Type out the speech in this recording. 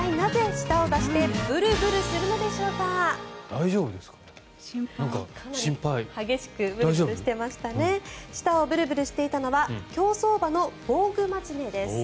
舌をブルブルしていたのは競走馬のヴォーグマチネです。